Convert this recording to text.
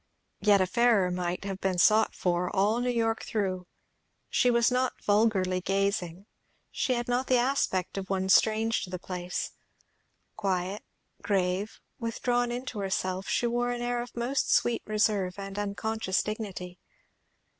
Yet a fairer might have been sought for, all New York through. She was not vulgarly gazing; she had not the aspect of one strange to the place; quiet, grave, withdrawn into herself, she wore an air of most sweet reserve and unconscious dignity.